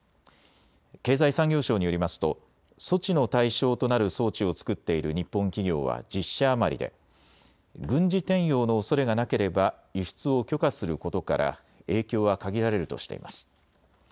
経済産業省によりますと措置の対象となる装置を作っている日本企業は１０社余りで軍事転用のおそれがなければ輸出を許可することから影響は限られるとしています。